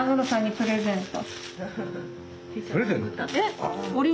プレゼント？